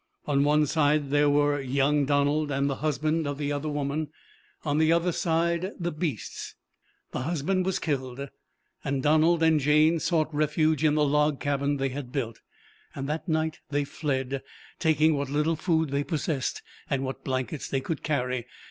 On one side there were young Donald and the husband of the other woman; on the other side the beasts. The husband was killed, and Donald and Jane sought refuge in the log cabin they had built. That night they fled, taking what little food they possessed, and what blankets they could carry.